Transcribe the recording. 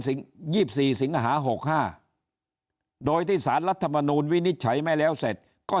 สิ่ง๒๔สิงหา๖๕โดยที่สารรัฐมนุษย์วินิจไขไม่แล้วเสร็จก็